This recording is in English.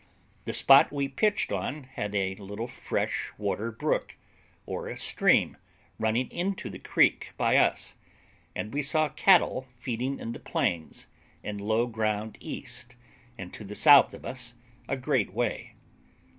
The spot we pitched on had a little fresh water brook, or a stream running into the creek by us; and we saw cattle feeding in the plains and low ground east and to the south of us a great way.